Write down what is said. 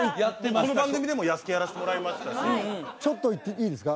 この番組でも弥助やらせてもらいましたしちょっといいですか？